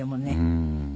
うん。